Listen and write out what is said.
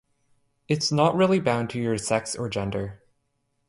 It’s not really bound to your sex or gender.